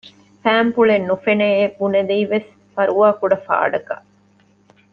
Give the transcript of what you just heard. ފައިންޕުޅެއް ނުފެނެއޭ ބުނެލީވެސް ފަރުވާކުޑަ ފާޑަކަށް